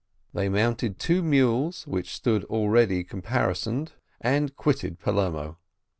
They mounted two mules, which stood already caparisoned, and quitted Palermo.